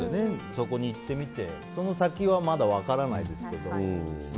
そこに行ってみてその先はまだ分からないですけど。